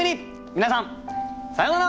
皆さんさようなら！